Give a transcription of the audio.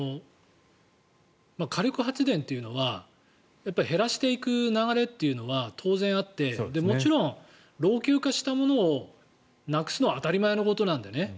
火力発電というのはやっぱり減らしていく流れは当然あってもちろん老朽化したものをなくすのは当たり前のことなんでね。